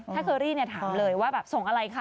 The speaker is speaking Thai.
ถ้าเคอรี่ถามเลยว่าแบบส่งอะไรคะ